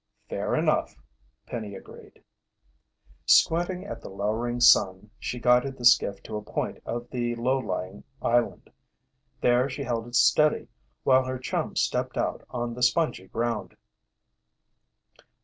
"Fair enough," Penny agreed. Squinting at the lowering sun, she guided the skiff to a point of the low lying island. There she held it steady while her chum stepped out on the spongy ground.